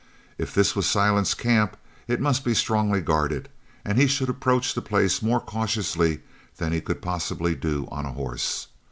If this was Silent's camp, it must be strongly guarded, and he should approach the place more cautiously than he could possibly do on a horse.